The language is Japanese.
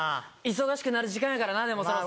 忙しくなる時間やからなでもそろそろ。